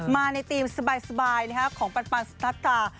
มาในธีมสบายของปันสุดท้าย